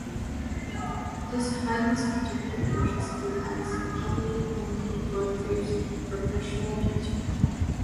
This highly subjective process relies heavily on the auditor's professional judgment.